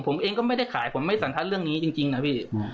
ผมเองก็ไม่ได้ขายผมไม่สันทัศน์เรื่องนี้จริงนะพี่